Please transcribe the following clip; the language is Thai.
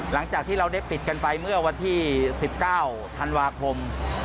หลังจากที่เราได้ปิดกันไปเมื่อวันที่๑๙ธันวาคม